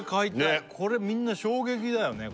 これみんな衝撃だよね